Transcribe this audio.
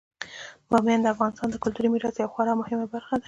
بامیان د افغانستان د کلتوري میراث یوه خورا مهمه برخه ده.